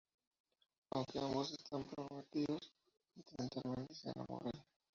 Aunque ambos están comprometidos sentimentalmente, se enamoran.